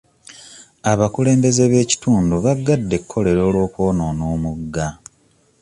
Abakulembeze b'ekitundu baggadde ekkolero olw'okwonoona omugga.